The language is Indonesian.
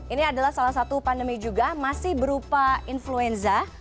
ini adalah salah satu pandemi juga masih berupa influenza